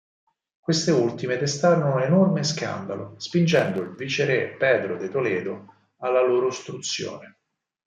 Queste ultime destarono enorme scandalo, spingendo il viceré Pedro de Toledo alla loro ostruzione.